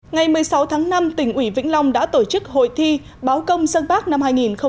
ngày một mươi sáu tháng năm tỉnh ủy vĩnh long đã tổ chức hội thi báo công sơn bác năm hai nghìn một mươi chín